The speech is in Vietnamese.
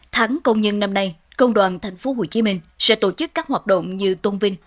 tháng công nhân năm nay công đoàn tp hcm sẽ tổ chức các hoạt động như tôn vinh